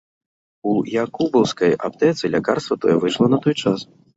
У якубаўскай аптэцы лякарства тое выйшла на той час.